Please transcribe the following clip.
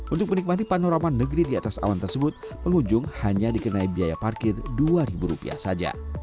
untuk menikmati panorama negeri di atas awan tersebut pengunjung hanya dikenai biaya parkir dua ribu rupiah saja